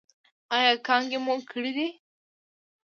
ایا کانګې مو کړي دي؟